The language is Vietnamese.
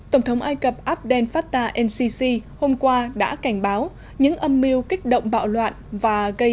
tổng thống ai cập abdel fattah el sisi hôm qua đã cảnh báo những âm mưu kích động bạo loạn và gây